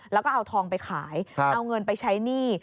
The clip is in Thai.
แล้วก็เอาทองไปขายเอาเงินไปใช้หนี้